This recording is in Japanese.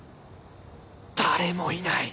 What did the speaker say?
誰もいない！